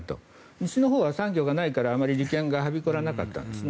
西のほうは産業がないからあまり利権がはびこらなかったんですね。